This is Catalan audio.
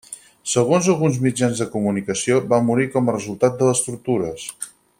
Segons alguns mitjans de comunicació, va morir com a resultat de les tortures.